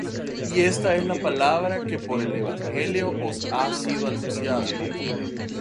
Y esta es la palabra que por el evangelio os ha sido anunciada.